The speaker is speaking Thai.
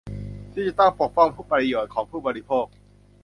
ที่จะต้องปกป้องประโยชน์ของผู้บริโภค